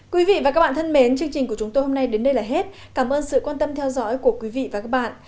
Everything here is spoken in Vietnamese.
quý vị và các bạn thân mến chương trình của chúng tôi hôm nay đến đây là hết cảm ơn sự quan tâm theo dõi của quý vị và các bạn